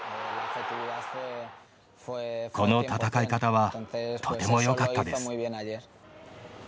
この戦い方はとてもよかったです。